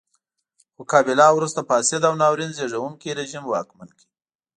خو کابیلا وروسته فاسد او ناورین زېږوونکی رژیم واکمن کړ.